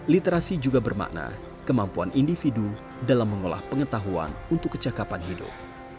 literasi juga bermakna kemampuan individu dalam mengolah pengetahuan untuk kecakapan hidup